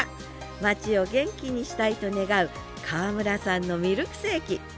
街を元気にしたいと願う川村さんのミルクセーキ。